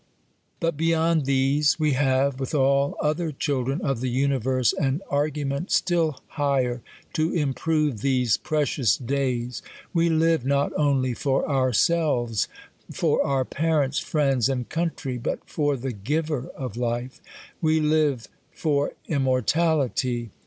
But beyond these, we have, with all other children of the universe, an argu ment still higher to improve these precious^days. We live not only for ourselves, for our parents, friends, and country ; but for the Giver of life : we live for immor tality.